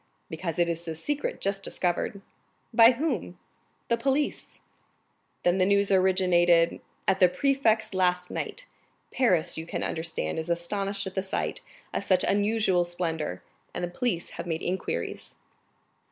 "Because it is a secret just discovered." "By whom?" "The police." "Then the news originated——" "At the prefect's last night. Paris, you can understand, is astonished at the sight of such unusual splendor, and the police have made inquiries."